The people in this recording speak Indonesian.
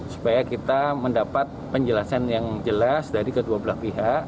supaya kita mendapat penjelasan yang jelas dari kedua belah pihak